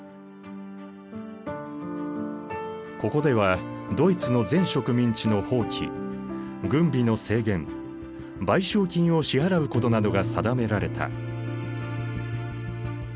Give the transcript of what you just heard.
ここではドイツの全植民地の放棄軍備の制限賠償金を支払うことなどが定められた。